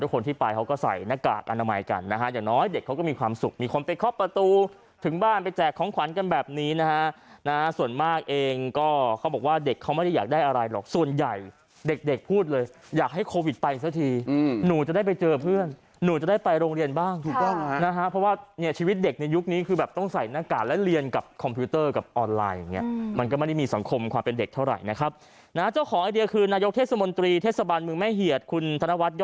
ทุกคนที่ไปเขาก็ใส่หน้ากากอนามัยกันนะฮะอย่างน้อยเด็กเขาก็มีความสุขมีความสุขมีความสุขมีความสุขมีความสุขมีความสุขมีความสุขมีความสุขมีความสุขมีความสุขมีความสุขมีความสุขมีความสุขมีความสุขมีความสุขมีความสุขมีความสุขมีความสุขมีความสุขมีความสุขมีความสุขมีความสุขมีความ